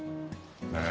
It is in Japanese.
ねえ。